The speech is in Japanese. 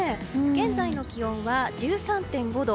現在の気温は１３．５度。